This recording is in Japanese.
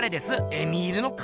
エミールの彼？